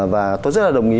và tôi rất là đồng ý